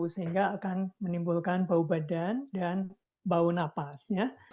sehingga akan menimbulkan bau badan dan bau napas ya